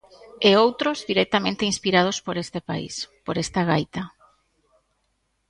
E outros directamente inspirados por este país, por esta gaita.